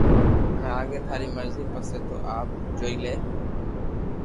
ھمي آگي ٿاري مرزي پسي تو آپ جوئي لي